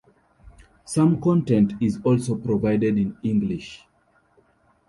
Some content is also provided in English.